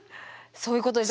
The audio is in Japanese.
そういうことです。